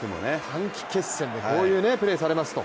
短期決戦でこういうプレーされますと。